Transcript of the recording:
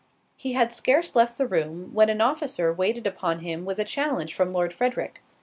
He had scarce left the room, when an officer waited upon him with a challenge from Lord Frederick.